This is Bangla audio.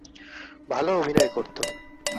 ভালো অভিনয় করত।